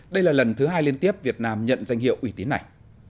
đây là lần thứ hai liên tiếp việt nam nhận danh hiệu ủy tín này